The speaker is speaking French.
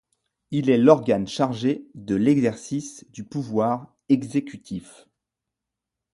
Il est l'organe chargé de l'exercice du pouvoir exécutif.